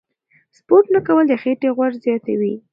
سپورت نه کول د خېټې غوړ زیاتوي.